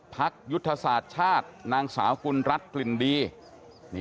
ยุทธศาสตร์ชาตินางสาวกุลรัฐกลิ่นดี